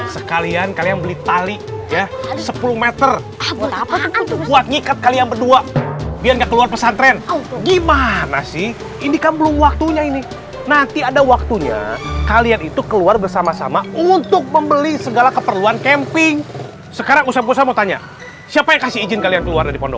sekalian kalian beli tali ya sepuluh meter buat ngikat kalian berdua biar enggak keluar pesantren gimana sih ini kan belum waktunya ini nanti ada waktunya kalian itu keluar bersama sama untuk membeli segala keperluan camping sekarang usaha usaha mau tanya siapa yang kasih izin kalian keluar dari pondok